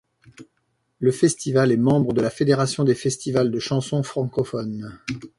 Le festival est membre de la Fédération des Festivals de Chanson Francophone.